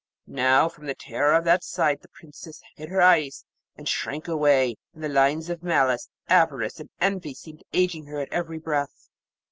Now, from the terror of that sight the Princess hid her eyes, and shrank away. And the lines of malice, avarice, and envy seemed ageing her at every breath.